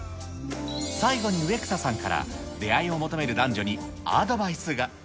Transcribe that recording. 最後に植草さんから、出会いを求める男女にアドバイスが。